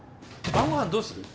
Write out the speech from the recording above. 晩ご飯どうする？